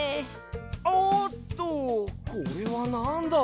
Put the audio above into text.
おっとこれはなんだ？